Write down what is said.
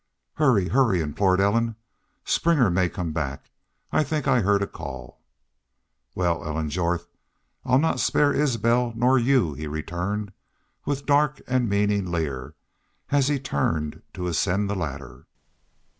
"Hurry! Hurry!" implored Ellen. "Springer may come back. I think I heard a call." "Wal, Ellen Jorth, I'll not spare Isbel nor y'u," he returned, with dark and meaning leer, as he turned to ascend the ladder.